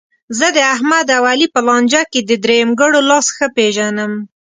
زه داحمد او علي په لانجه کې د درېیمګړو لاس ښه پېژنم.